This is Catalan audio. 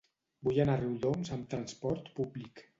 Vull anar a Riudoms amb trasport públic.